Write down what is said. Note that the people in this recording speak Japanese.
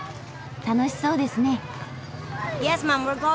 楽しそうですね。